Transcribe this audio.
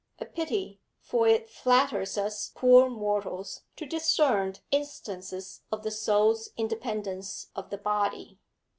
A pity for it flatters us poor mortals to discern instances of the soul's independence of the body.